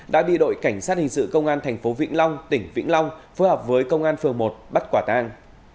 đã đi đội cảnh sát hình sự công an thành phố vĩnh long tỉnh vĩnh long phối hợp với công an phường một bắt quả tàng